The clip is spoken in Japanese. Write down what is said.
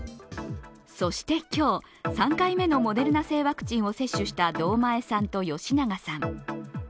そして今日、３回目のモデルナ製ワクチンを接種した道前さんと吉永さん。